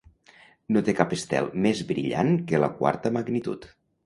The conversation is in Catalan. No té cap estel més brillant que la quarta magnitud.